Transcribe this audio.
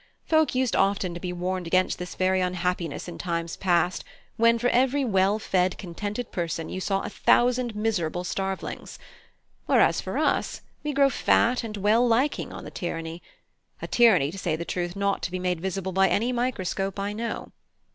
Folk used often to be warned against this very unhappiness in times past, when for every well fed, contented person you saw a thousand miserable starvelings. Whereas for us, we grow fat and well liking on the tyranny; a tyranny, to say the truth, not to be made visible by any microscope I know.